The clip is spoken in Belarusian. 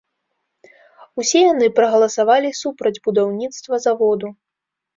Усе яны прагаласавалі супраць будаўніцтва заводу.